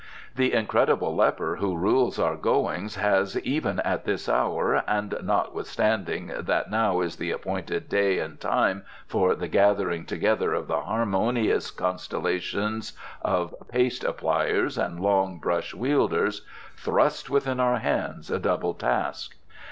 The incredible leper who rules our goings has, even at this hour and notwithstanding that now is the appointed day and time for the gathering together of the Harmonious Constellation of Paste Appliers and Long Brush Wielders, thrust within our hands a double task."